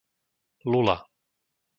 Lula